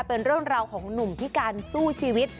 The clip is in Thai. เป็นเรื่องราวของหนุ่มพิการสู้ชีวิต